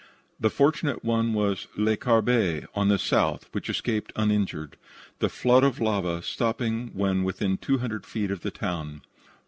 The fortunate one was Le Carbet, on the south, which escaped uninjured, the flood of lava stopping when within two hundred feet of the town.